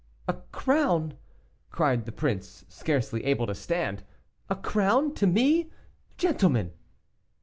"A crown!" cried the prince, scarcely able to stand, "a crown to me, gentlemen?"